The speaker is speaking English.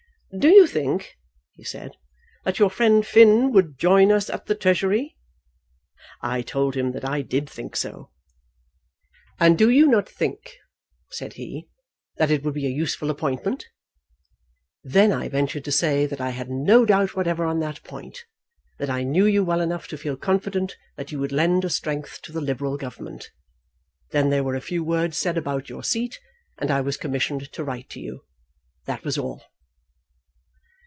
'Do you think,' he said, 'that your friend Finn would join us at the Treasury?' I told him that I did think so. 'And do you not think,' said he, 'that it would be a useful appointment?' Then I ventured to say that I had no doubt whatever on that point; that I knew you well enough to feel confident that you would lend a strength to the Liberal Government. Then there were a few words said about your seat, and I was commissioned to write to you. That was all."